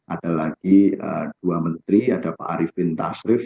ada lagi dua menteri ada pak arifin tasrif